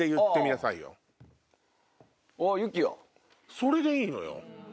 それでいいのよ。